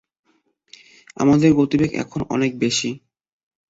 আমাদের গতিবেগ এখনও অনেক বেশি।